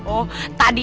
oh tadi itu